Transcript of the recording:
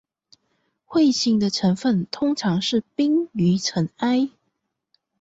彗发的成分通常是冰与尘埃。